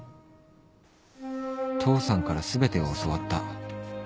父さんから全てを教わった